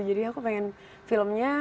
jadi aku pengen filmnya